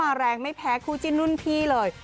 แรงไม่แพ้คู่จิ้นรุ่นพี่เลย